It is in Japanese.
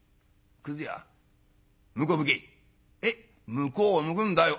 「向こう向くんだよ」。